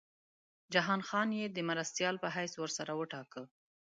جهان خان یې د مرستیال په حیث ورسره وټاکه.